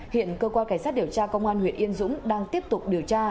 hiện cơ quan cảnh sát điều tra công an huyện yên dũng đang tiếp tục điều tra